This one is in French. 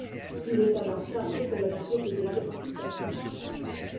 Il est alors chargé de la visite et des explications.